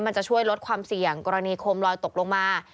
มันจะช่วยลดความเสี่ยงกรณีโคมลอยตกลงมา